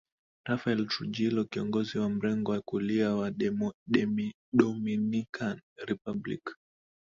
Rafael Trujillo kiongozi wa mrengo wa kulia wa Dominican Republic